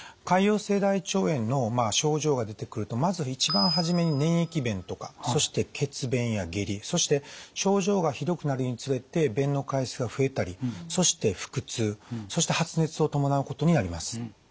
潰瘍性大腸炎の症状が出てくるとまず一番初めに粘液便とかそして血便や下痢そして症状がひどくなるにつれて便の回数が増えたりそして腹痛そして発熱を伴うことになります。